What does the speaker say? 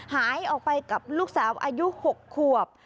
หายออกไปกับลูกสาวอายุ๖ขวบ